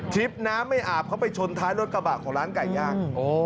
คลิปน้ำไม่อาบเขาไปชนท้ายรถกระบะของร้านไก่ย่าง